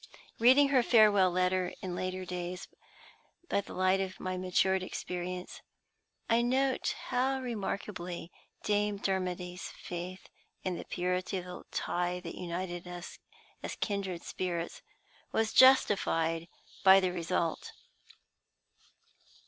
Reading her farewell letter in later days by the light of my matured experience, I note how remarkably Dame Dermody's faith in the purity of the tie that united us as kindred spirits was justified by the result.